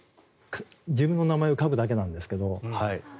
自分の名前を書くだけなんですが。